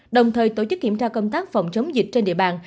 đồng thời tổ chức kiểm tra công tác phòng chống dịch trên địa bàn